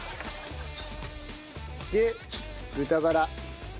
で豚バラ。